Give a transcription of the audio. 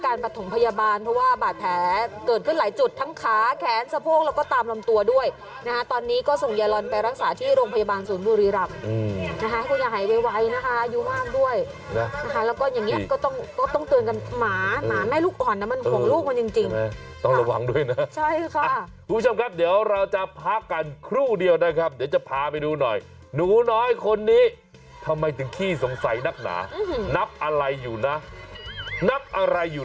การปรับถงพยาบาลเพราะว่าบาดแผลเกิดขึ้นหลายจุดทั้งขาแขนสะโพกแล้วก็ตามลำตัวด้วยนะฮะตอนนี้ก็ส่งยาลอนไปรักษาที่โรงพยาบาลศูนย์บุรีรับนะคะคุณอย่าหายไวนะคะอายุมากด้วยนะคะแล้วก็อย่างนี้ก็ต้องก็ต้องเตือนกันหมาหมาแม่ลูกอ่อนนะมันของลูกมันจริงต้องระวังด้วยนะใช่ค่ะผู้ชมครับเดี๋ยว